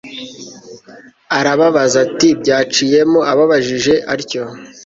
arababaza ati byaciyemo ababajije atyo